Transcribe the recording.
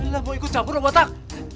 lo mau ikut campur robotak